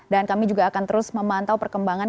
dan kami juga akan terus memantau perkembangan